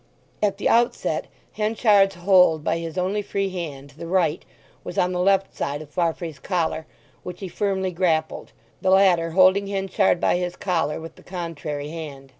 At the outset Henchard's hold by his only free hand, the right, was on the left side of Farfrae's collar, which he firmly grappled, the latter holding Henchard by his collar with the contrary hand.